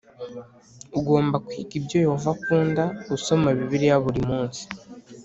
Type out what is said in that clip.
Ugomba kwiga ibyo Yehova akunda usoma Bibiliya buri munsi